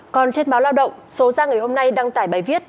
còn trên báo lao động số ra ngày hôm nay đăng tải bài viết